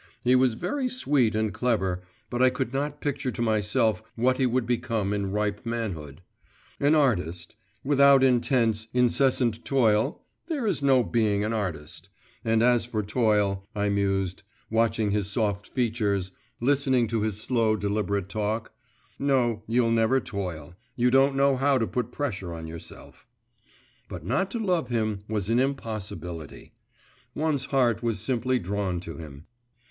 He was very sweet and clever, but I could not picture to myself what he would become in ripe manhood. An artist … without intense, incessant toil, there is no being an artist … and as for toil, I mused, watching his soft features, listening to his slow deliberate talk, 'no, you'll never toil, you don't know how to put pressure on yourself.' But not to love him was an impossibility; one's heart was simply drawn to him.